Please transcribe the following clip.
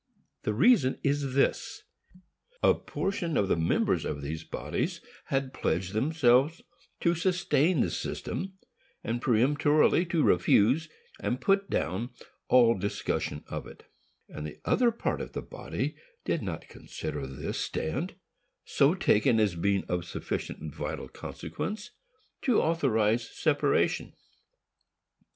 The reason is this. A portion of the members of these bodies had pledged themselves to sustain the system, and peremptorily to refuse and put down all discussion of it; and the other part of the body did not consider this stand so taken as being of sufficiently vital consequence to authorize separation.